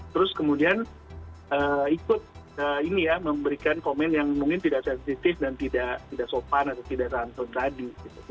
terus kemudian ikut memberikan komen yang mungkin tidak sensitif dan tidak sopan atau tidak rantun tadi